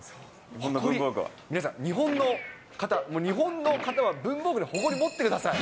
皆さん、日本の方、日本の方は文房具に誇り持ってください。